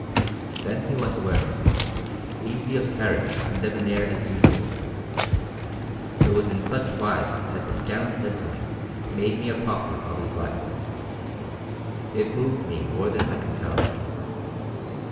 Then he went away, easy of carriage and debonair as usual. It was in such wise that this gallant gentleman made me a proffer of his life. It moved me more than I can tell.